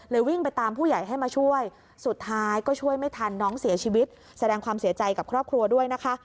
วิ่งไปตามผู้ใหญ่ให้มาช่วยสุดท้ายก็ช่วยไม่ทันน้องเสียชีวิตแสดงความเสียใจกับครอบครัวด้วยนะคะ